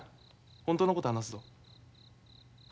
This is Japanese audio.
本当のこと話すぞ。